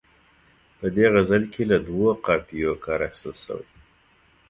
په دې غزل کې له دوو قافیو کار اخیستل شوی.